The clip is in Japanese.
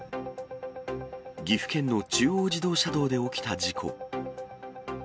岐阜県の中央自動車道で起きた事故。